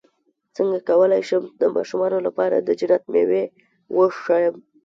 څنګه کولی شم د ماشومانو لپاره د جنت مېوې وښایم